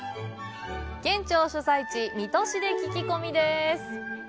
県庁所在地・水戸市で聞き込みです！